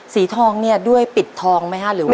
สีทองเนี่ยด้วยปิดทองไหมฮะหรือว่า